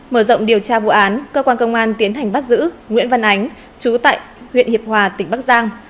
mở rộng điều tra vụ án cơ quan công an tiến hành bắt giữ nguyễn văn ánh chú tại huyện hiệp hòa tỉnh bắc giang